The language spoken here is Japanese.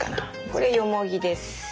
これよもぎです。